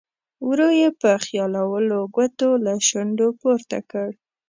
ورو یې په خیالولو ګوتو له شونډو پورته کړ.